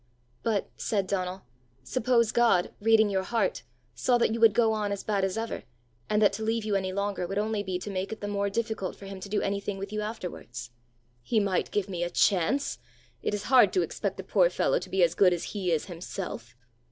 "But," said Donal, "suppose God, reading your heart, saw that you would go on as bad as ever, and that to leave you any longer would only be to make it the more difficult for him to do anything with you afterwards?" "He might give me a chance! It is hard to expect a poor fellow to be as good as he is himself!"